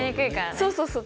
そうそうそう。